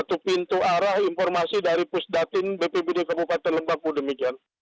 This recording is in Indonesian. dan itu satu pintu arah informasi dari pusdatin bpbd kebupatan lembak bu demikian